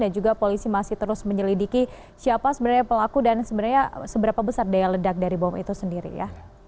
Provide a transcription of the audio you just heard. dan juga polisi masih terus menyelidiki siapa sebenarnya pelaku dan sebenarnya seberapa besar daya ledak dari bom itu sendiri ya